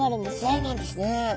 そうなんですね。